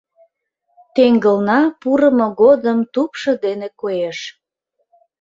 Теҥгылна пурымо годым тупшо дене коеш.